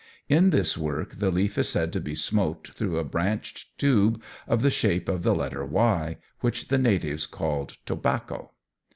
In this work, the leaf is said to be smoked through a branched tube of the shape of the letter [Y], which the natives called tobaco.